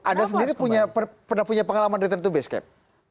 anda sendiri pernah punya pengalaman return to base cap